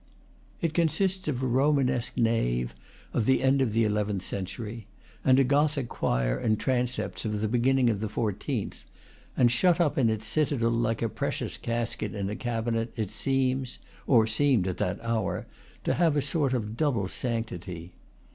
It consists of a romanesque nave, of the end of the eleventh century, and a Gothic choir and transepts of the beginning of the fourteenth; and, shut up in its citadel like a precious casket in a cabinet, it seems or seemed at that hour to have a sort of double sanctity.